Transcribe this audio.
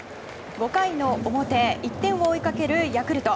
５回の表１点を追いかけるヤクルト。